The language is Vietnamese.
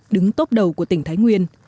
đứng tốp đầu của tỉnh thái nguyên